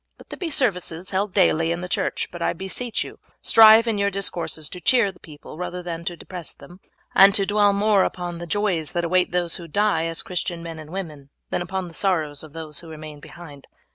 Let there be services held daily in the church, but I beseech you strive in your discourses to cheer the people rather than to depress them, and to dwell more upon the joys that await those who die as Christian men and women than upon the sorrows of those who remain behind.